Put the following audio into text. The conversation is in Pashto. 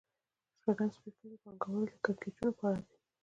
شپږم څپرکی د پانګوالۍ د کړکېچونو په اړه دی